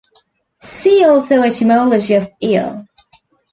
See also Etymology of eel.